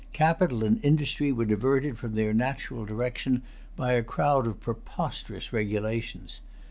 Capital and industry were diverted from their natural direction by a crowd of preposterous regulations.